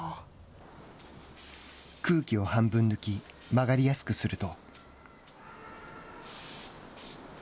空気を半分抜き曲がりやすくすると。